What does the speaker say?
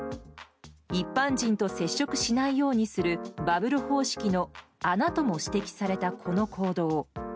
一般人と接触しないようにするバブル方式の穴とも指摘された、この行動。